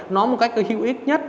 nó một cách hữu ích nhất